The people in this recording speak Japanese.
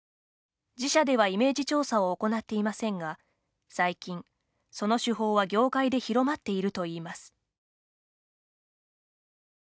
自社ではイメージ調査を行っていませんが最近、その手法は業界で広まっているといいます。